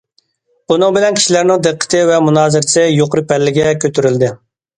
بۇنىڭ بىلەن كىشىلەرنىڭ دىققىتى ۋە مۇنازىرىسى يۇقىرى پەللىگە كۆتۈرۈلدى.